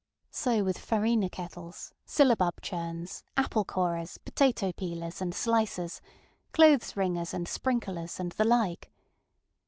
So with farina kettles, syllabub churns, apple corers, potato peelers and slicers, clothes wringers and sprinklers, and the like.